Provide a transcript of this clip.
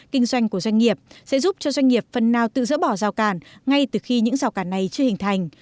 kinh doanh của doanh nghiệp sẽ giúp cho doanh nghiệp phần nào tự dỡ bỏ rào cản ngay từ khi những rào cản này chưa hình thành